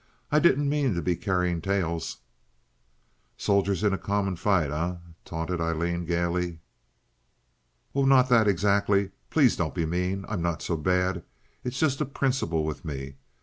I didn't mean to be carrying tales." "Soldiers in a common fight, eh?" taunted Aileen, gaily. "Oh, not that, exactly. Please don't be mean. I'm not so bad. It's just a principle with me.